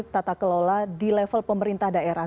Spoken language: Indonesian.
tata kelola di level pemerintah daerah